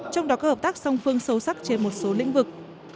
trong đó có hợp tác song phương sâu sắc trên một số lĩnh vực